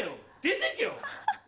出てけよ